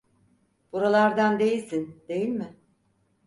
Buralardan değilsin, değil mi?